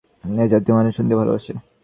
এ-জাতীয় মানুষ গল্প করতে এবং শুনতে ভালবাসে।